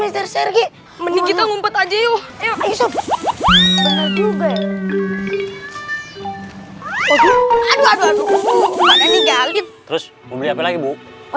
terus gimana kabarnya ibu